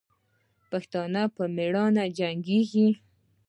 پښتون په میړانه جنګیږي.